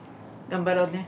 頑張ろうね。